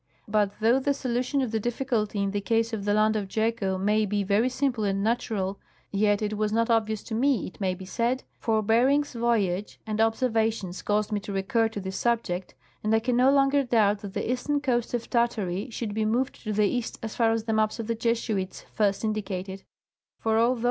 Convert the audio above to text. " But though the solution of the difficulty in the case of the Land of Jeco may be very simple and natural, yet it was not obvious to me, it may be said, for Bering's voyage and observations caused me to recur to this subject, and I can no longer doubt that the eastern coast of Tar tary should be moved to the east as far as the maps of the Jesuits first indicated ; for although M.